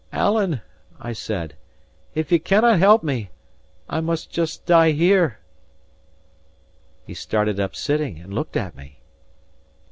"Alan!" I said; "if ye cannae help me, I must just die here." He started up sitting, and looked at me.